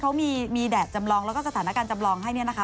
ก็สาเหตุที่เขามีดแดดจำลองแล้วก็สถานการณ์จำลองให้เนี่ยนะคะ